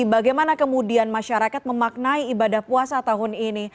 bagaimana kemudian masyarakat memaknai ibadah puasa tahun ini